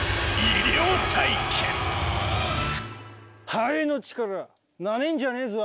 ハエの力なめんじゃねえぞ。